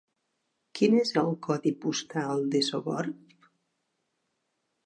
Quin és el codi postal de Sogorb?